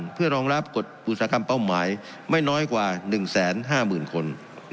เพื่อรองรับกฎอุตสาหกรรมเป้าหมายไม่น้อยกว่า๑๕๐๐๐คน